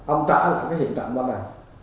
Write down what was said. ông trả lại cái hình trạng đó này